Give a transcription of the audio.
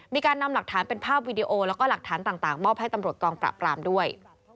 มีการนำหลักฐานเป็นภาพวีดีโอแล้วก็หลักฐานต่างมอบให้ตำรวจกองปราบปรามด้วย